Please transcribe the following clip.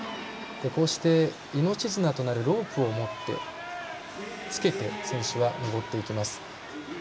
こうして命綱となるロープをつけて選手は登っていきます。